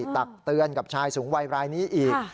ตักเตือนกับชายสูงวัยรายนี้อีก